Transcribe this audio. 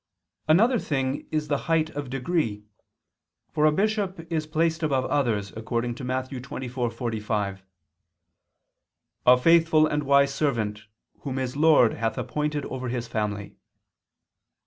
Another thing is the height of degree, for a bishop is placed above others, according to Matt. 24:45, "A faithful and a wise servant, whom his lord hath appointed over his family."